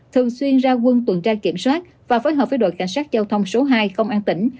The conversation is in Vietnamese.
thường xuyên ra quân tuần tra kiểm soát và phối hợp với đội cảnh sát giao thông số hai công an tỉnh